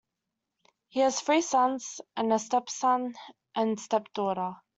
He has three sons, and a stepson and stepdaughter.